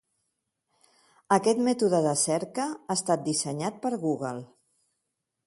Aquest mètode de cerca ha estat dissenyat per Google.